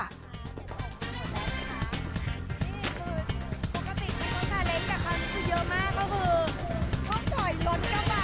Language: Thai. นี่คือปกติที่ต้องการเล่นกับคราวนี้คือเยอะมากก็คือท่องถ่อยล้นก็บัน